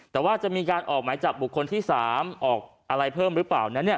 แต่ว่าจะมีการออกหมายจับบุคคลที่๓ออกอะไรเพิ่มหรือเปล่านั้น